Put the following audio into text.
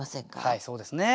はいそうですね。